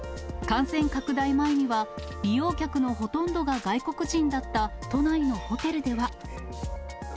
感染拡大前には、利用客のほとんどが外国人だった都内のホテルでは。